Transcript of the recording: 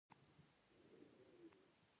کلي د افغانستان د امنیت په اړه هم اغېز لري.